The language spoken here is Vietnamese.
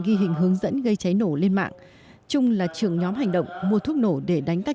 ghi hình hướng dẫn gây cháy nổ lên mạng trung là trưởng nhóm hành động mua thuốc nổ để đánh các